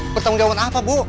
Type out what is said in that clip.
pertanggung jawaban apa bu